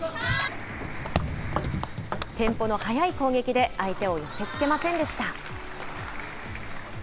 テンポの速い攻撃で相手を寄せつけませんでした。